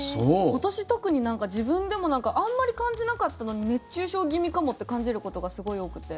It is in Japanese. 今年特に、自分でもあんまり感じなかったのに熱中症気味かもって感じることがすごい多くて。